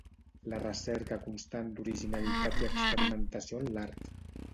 La recerca constant d'originalitat i experimentació en l'art.